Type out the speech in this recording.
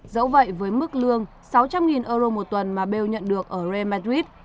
dẫu vậy với mức lương sáu trăm linh euro một tuần mà bale nhận được ở real madrid